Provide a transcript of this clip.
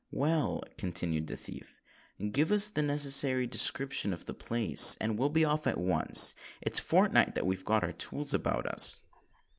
"Well," continued the thief, "give us the necessary description of the place; and we'll be off at once. It's fortnit that we've got our tools about us."